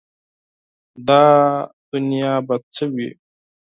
دا دنیا به څه وي ؟